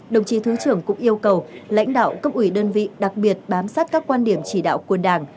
đồng chí thứ trưởng cũng yêu cầu lãnh đạo cấp ủy đơn vị đặc biệt bám sát các quan điểm chỉ đạo của đảng